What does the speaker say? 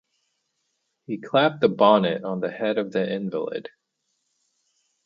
He clapped the bonnet on the head of the invalid.